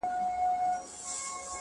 باران دي وي سیلۍ دي نه وي.!